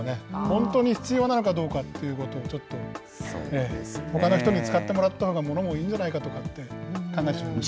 本当に必要なのかどうかということを、ちょっと、ほかの人に使ってもらったほうが、ものもいいんじゃないかって、考えてしまいました。